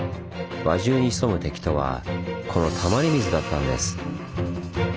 輪中に潜む敵とはこの「たまり水」だったんです。